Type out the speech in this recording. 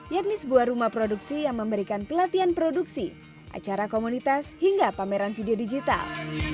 yakni sebuah rumah produksi yang memberikan pelatihan produksi acara komunitas hingga pameran video digital